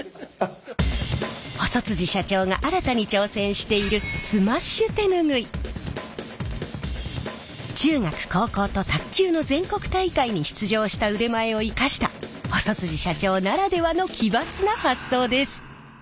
細社長が新たに挑戦している中学高校と卓球の全国大会に出場した腕前を生かした細社長ならではの奇抜な発想です！